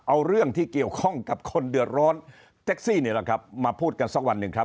เอาเรื่องที่เกี่ยวข้องกับคนเดือดร้อนเต็กซี่มาพูดกันสักวันหนึ่ง